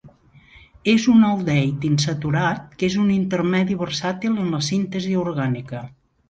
És un aldehid insaturat que és un intermedi versàtil en la síntesi orgànica.